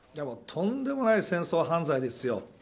とんでもない戦争犯罪ですよ。